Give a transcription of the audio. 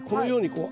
こう。